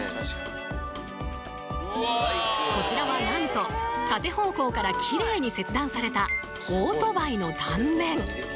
こちらはなんと縦方向からきれいに切断されたオートバイの断面！